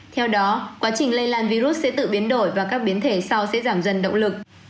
theo đó quá trình lây lan virus sẽ tự biến đổi và các biến thể sau sẽ giảm dần động lực